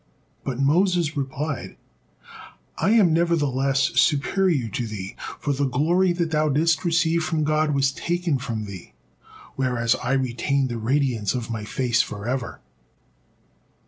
But Moses replied: "I am nevertheless superior to thee, for the glory that thou didst receive from God was taken from thee, whereas I retained the radiance of my face forever."